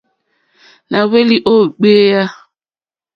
Nà hwélì ó ɡbèyà.